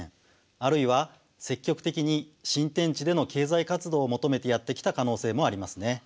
あるいは積極的に新天地での経済活動を求めてやって来た可能性もありますね。